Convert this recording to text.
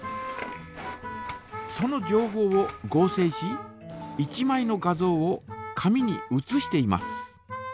そのじょうほうを合成し１まいの画像を紙に写しています。